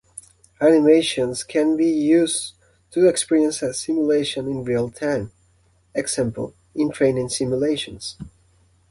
Animations can be used to experience a simulation in real-time, e.g., in training simulations.